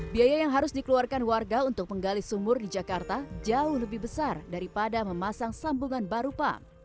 biaya yang harus dikeluarkan warga untuk menggali sumur di jakarta jauh lebih besar daripada memasang sambungan baru pump